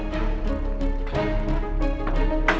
buat dia ke dalam